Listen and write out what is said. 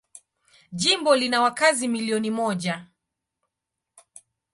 Jimbo lina wakazi milioni moja.